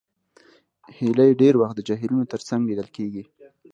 هیلۍ ډېر وخت د جهیلونو تر څنګ لیدل کېږي